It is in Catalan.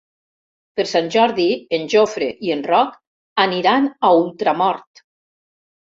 Per Sant Jordi en Jofre i en Roc aniran a Ultramort.